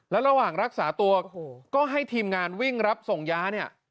แล้วระหว่างรักษาตัวก็ให้ทีมงานวิ่งรับส่งยาเนี่ย